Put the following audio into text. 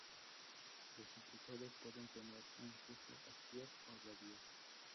Los impulsores pueden tener un flujo axial o radial.